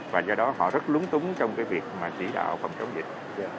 và do đó họ rất lúng túng trong cái việc mà chỉ đạo phòng chống dịch